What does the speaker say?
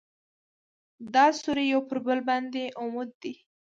دا سوري یو پر بل باندې عمود دي.